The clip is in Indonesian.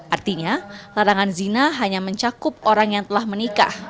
artinya larangan zina hanya mencakup orang yang telah menikah